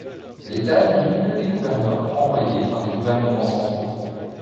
L'État n'eut que des gouverneurs envoyés par les gouvernements centraux.